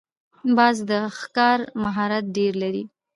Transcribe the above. باز د ښکار مهارت ډېر لري